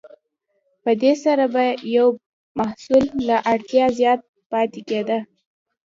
په دې سره به یو محصول له اړتیا زیات پاتې کیده.